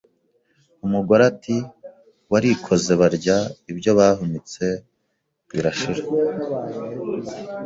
Umugore ati Warikoze Barya ibyo bahunitse birashira;